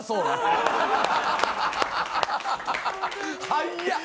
早っ。